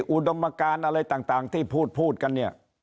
อุดมการอะไรต่างที่พูดกันเนี่ย